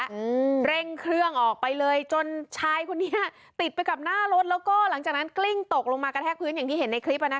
อืมเร่งเครื่องออกไปเลยจนชายคนนี้ติดไปกับหน้ารถแล้วก็หลังจากนั้นกลิ้งตกลงมากระแทกพื้นอย่างที่เห็นในคลิปอ่ะนะคะ